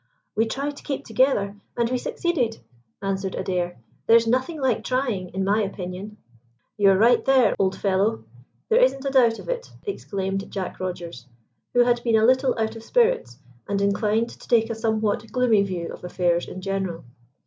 "We tried to keep together, and we succeeded," answered Adair. "There's nothing like trying, in my opinion." "You are right there, old fellow; there isn't a doubt of it," exclaimed Jack Rogers, who had been a little out of spirits, and inclined to take a somewhat gloomy view of affairs in general.